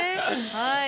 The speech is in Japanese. はい。